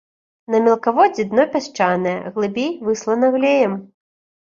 На мелкаводдзі дно пясчанае, глыбей выслана глеем.